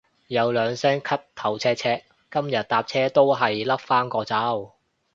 有兩聲咳頭赤赤，今日搭車都係笠返個罩